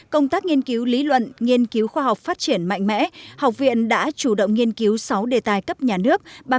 công tác nghiên cứu lý luận nghiên cứu khoa học phát triển mạnh mẽ học viện đã chủ động nghiên cứu sáu đề tài cấp nhà nước